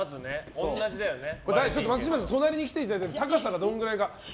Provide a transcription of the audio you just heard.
松嶋さん、隣に来ていただいて高さがどれくらいか。